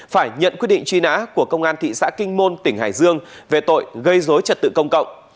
phải nhận quyết định truy nã của công an thị xã kinh môn tỉnh hải dương về tội gây dối trật tự công cộng